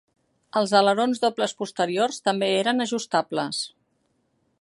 Els alerons dobles posteriors també eren ajustables.